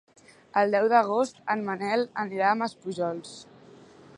El deu d'agost en Manel anirà a Maspujols.